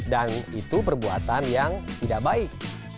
dan itu perbuatan yang tidak baik